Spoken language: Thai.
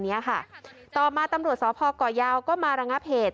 เนี้ยค่ะต่อมาตำรวจสพก่อยาวก็มาระงับเหตุ